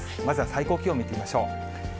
まずは最高気温、見ていきましょう。